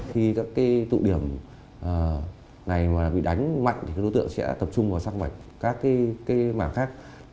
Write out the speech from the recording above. khi các tụ điểm này bị đánh mạnh đối tượng sẽ tập trung vào sắc mạch các mảng khác